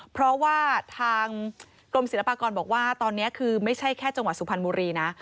เพราะว่าทางกรมศิลปากรบอกว่าตอนนี้คือไม่ใช่แค่จังหวัดสุพรรณบุรีนะ